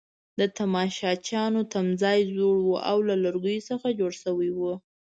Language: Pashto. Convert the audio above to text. د تماشچیانو تمځای زوړ وو او له لرګو څخه جوړ شوی وو.